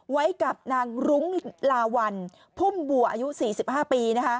ไว้กับนางรุ้งลาวัลพุ่มบัวอายุ๔๕ปี